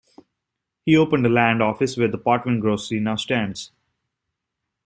He opened a land office where the Potwin grocery now stands.